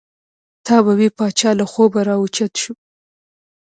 تا به وې پاچا له خوبه را او چت شو.